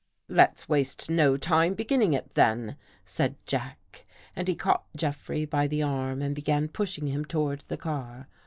" Let's waste no time beginning it, then," said Jack and he caught Jeffrey by the arm and began pushing him toward the car.